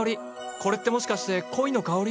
これってもしかして恋の香り？